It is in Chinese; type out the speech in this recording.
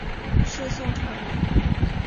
是宋朝人。